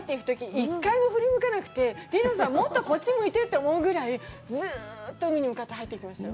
１回も振り返らなくて、梨乃さん、もっとこっち向いてって思うぐらい、ずうっと海に向かって入っていきましたよ。